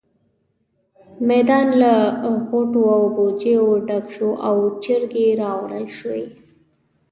میدان له غوټو او بوجيو ډک شو او چرګې راوړل شوې.